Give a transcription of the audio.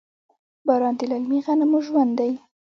باران د للمي غنمو ژوند دی.